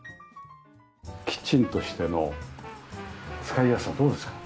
キッチンとしての使いやすさはどうですか？